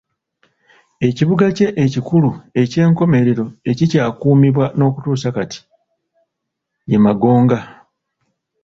Ekibuga kye ekikulu eky'enkomerero ekikyakuumibwa n'okutuusa kati, ye Magonga.